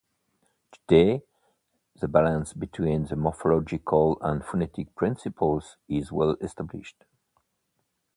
Today, the balance between the morphological and phonetic principles is well established.